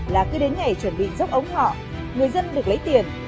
là cứ đến ngày chuẩn bị dốc ống họ người dân được lấy tiền